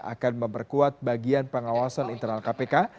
akan memperkuat bagian pengawasan internal kpk